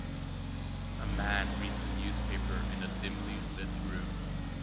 A man reads the newspaper in a dimly lit room.